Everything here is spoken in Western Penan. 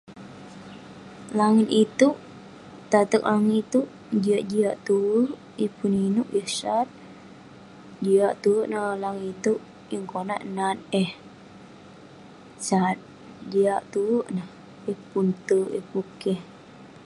Langit itouk, tateg langit itouk, jiak jiak tuerk..yeng pun inouk yah sat..jiak tuerk neh langit itouk..yeng konak nat eh sat, jiak tuerk neh..yeng pun terk, yeng pun keh..